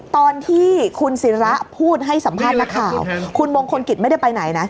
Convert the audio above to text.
ตอนที่คุณศิระพูดให้สัมภาษณ์นักข่าวคุณมงคลกิจไม่ได้ไปไหนนะ